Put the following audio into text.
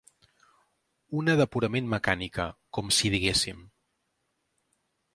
Una de purament mecànica, com si diguéssim.